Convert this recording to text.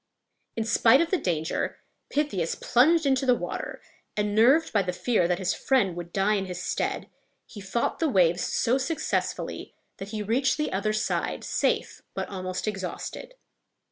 In spite of the danger, Pythias plunged into the water, and, nerved by the fear that his friend would die in his stead, he fought the waves so successfully that he reached the other side safe but almost exhausted.